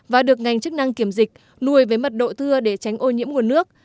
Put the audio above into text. và được ngành chức năng kiểm dịch nuôi với mật độ thưa để tránh ô nhiễm nguồn nước